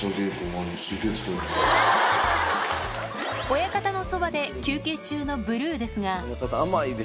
親方のそばで休憩中のブルーですが。